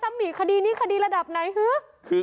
ทำอะไรผิดต้องจับกุม